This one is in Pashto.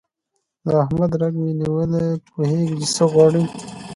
د احمد رګ مې نیولی، پوهېږ چې څه غواړي.